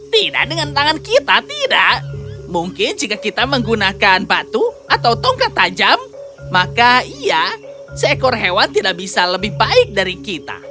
tidak dengan tangan kita tidak mungkin jika kita menggunakan batu atau tongkat tajam maka iya seekor hewan tidak bisa lebih baik dari kita